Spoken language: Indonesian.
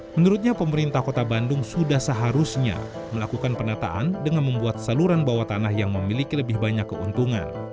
menurutnya pemerintah kota bandung sudah seharusnya melakukan penataan dengan membuat saluran bawah tanah yang memiliki lebih banyak keuntungan